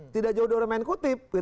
tidak jauh dari main kutip